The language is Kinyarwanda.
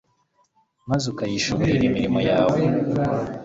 maze ukayishiburira imirimo yawe